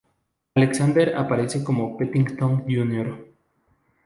Alexander aparece en como Pennington, Jr.